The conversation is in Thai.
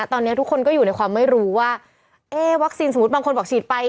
ตอนนี้ทุกคนก็อยู่ในความไม่รู้ว่าเอ๊วัคซีนสมมุติบางคนบอกฉีดไป